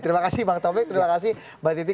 terima kasih bang taufik terima kasih mbak titi